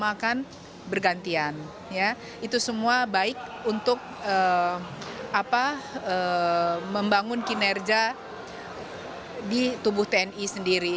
sudah lama kan bergantian itu semua baik untuk membangun kinerja di tubuh tni sendiri